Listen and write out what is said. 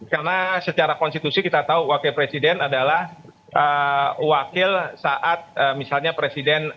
karena secara konstitusi kita tahu wakil presiden adalah wakil saat misalnya presiden